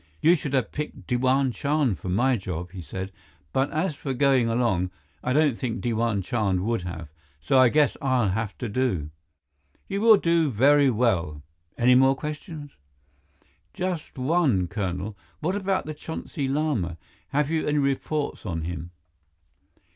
"You should have picked Diwan Chand for my job," he said, "but as for going along, I don't think Diwan Chand would have. So I guess I'll have to do." "You will do very well. Any more questions?" "Just one, Colonel. What about the Chonsi Lama? Have you any reports on him?"